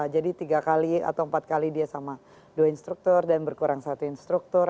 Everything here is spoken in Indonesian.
jadi tiga kali atau empat kali dia sama dua instruktur dan berkurang satu instruktur